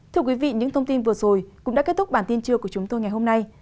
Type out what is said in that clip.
thưa quý vị những thông tin vừa rồi cũng đã kết thúc bản tin trưa của chúng tôi ngày hôm nay